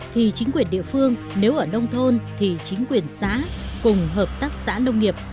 thì chính quyền địa phương nếu ở nông thôn thì chính quyền xã cùng hợp tác xã nông nghiệp